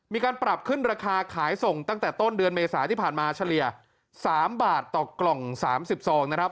มีการปรับขึ้นราคาขายส่งตั้งแต่ต้นเดือนเมษาที่ผ่านมาเฉลี่ย๓บาทต่อกล่อง๓๐ซองนะครับ